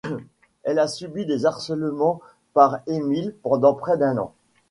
Elle a subi des harcèlements par Émile pendant près d'un an.